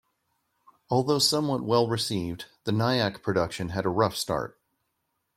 Although somewhat well received, the Nyack production had a rough start.